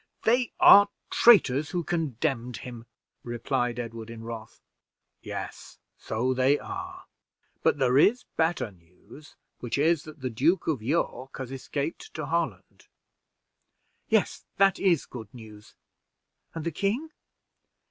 "They are traitors who condemned him," replied Edward, in wrath. "Yes, so they are; but there is better news, which is, that the Duke of York has escaped to Holland." "Yes, that is good news; and the king?"